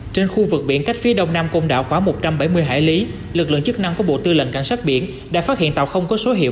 trên khu vực biển cách phía đông nam công đảo khoảng một trăm bảy mươi hải lý lực lượng chức năng của bộ tư lệnh cảnh sát biển đã phát hiện tàu không có số hiệu